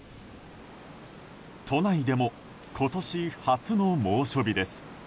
都内でも今年初の猛暑日です。